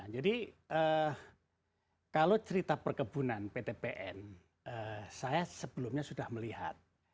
jadi kalau cerita perkebunan ptbn saya sebelumnya sudah melihat